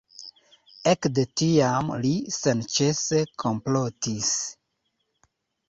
Ekde tiam li senĉese komplotis.